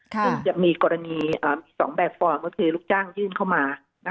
ซึ่งจะมีกรณี๒แบบฟอร์มก็คือลูกจ้างยื่นเข้ามา